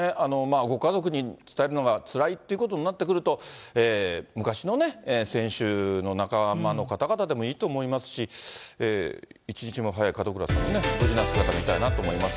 ご家族に伝えるのがつらいっていうことになってくると、昔の選手の仲間の方々でもいいと思いますし、一日も早く門倉さんの無事な姿見たいなと思います。